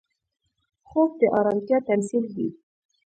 خوب د ارامتیا تمثیل دی